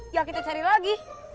ya kita cari lagi